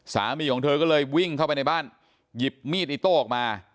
สามีของเธอก็เลยวิ่งเข้าไปในบ้านหยิบมีดอิโต้ออกมา